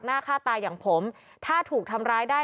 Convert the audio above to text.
ฆ่าตายอย่างผมถ้าถูกทำร้ายได้